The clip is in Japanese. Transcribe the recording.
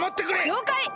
りょうかい！